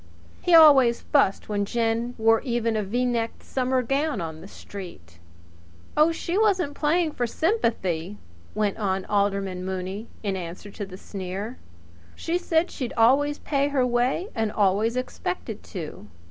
He always fussed when Jen wore even a V necked summer gown on the street. "Oh, she wasn't playing for sympathy," west on Alderman Mooney in answer to the sneer. "She said she'd always paid her way and always expected to.